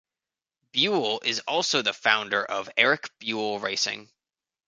Buell is also the founder of Erik Buell Racing.